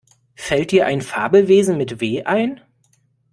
Fällt dir ein Fabelwesen mit W ein?